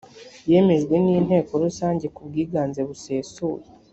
yemejwe n inteko rusange ku bwiganze busesuye